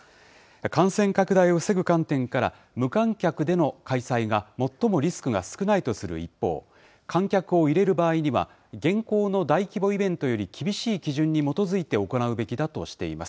感染拡大を防ぐ観点から、無観客での開催が最もリスクが少ないとする一方、観客を入れる場合には、現行の大規模イベントより厳しい基準に基づいて行うべきだとしています。